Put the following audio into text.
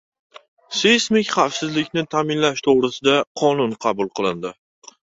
Seysmik xavfsizlikni ta’minlash to‘g‘risida qonun qabul qilindi